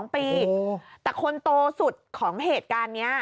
๒ปีแต่คนโตสุดของเหตุการณ์นี้